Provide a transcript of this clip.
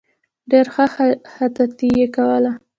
ډېره ښه خطاطي یې کوله.